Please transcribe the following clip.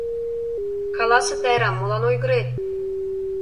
— Каласе, Тайра, молан ойгырет?..